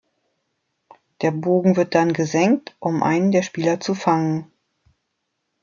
Der Bogen wird dann gesenkt, um einen der Spieler zu „fangen“.